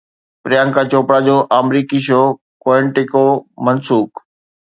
پريانڪا چوپڙا جو آمريڪي show Quantico منسوخ